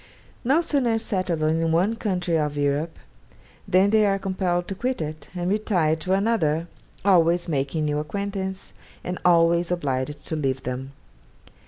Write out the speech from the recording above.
No sooner settled in one country of Europe, than they are compelled to quit it, and retire to another, always making new acquaintance, and always obliged to leave them.